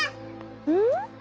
うん？